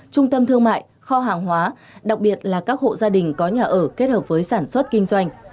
trung tâm thương mại kho hàng hóa đặc biệt là các hộ gia đình có nhà ở kết hợp với sản xuất kinh doanh